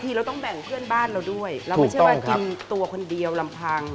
น่าจะพอแล้วเนอะพอแล้วเนอะ